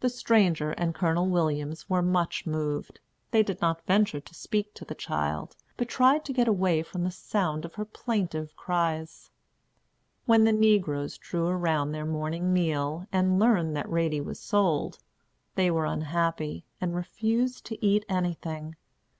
The stranger and Colonel Williams were much moved. They did not venture to speak to the child, but tried to get away from the sound of her plaintive cries. When the negroes drew around their morning meal, and learned that Ratie was sold, they were unhappy, and refused to eat anything.